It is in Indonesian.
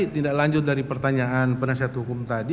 tindak lanjut dari pertanyaan penasihat hukum tadi